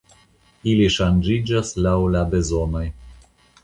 Ili ŝanĝiĝas laŭ la bezonoj.